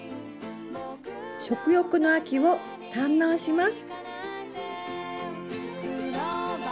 食欲の秋を堪能します。